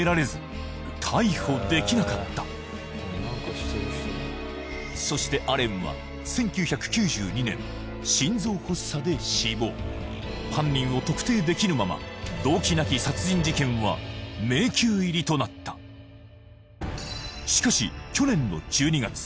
最も疑われたそしてアレンは犯人を特定できぬまま動機なき殺人事件は迷宮入りとなったしかし去年の１２月